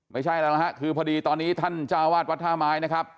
ไม่ใช่แล้วนะฮะคือพอดีตอนนี้ท่านเจ้าวาดวัดท่าไม้นะครับ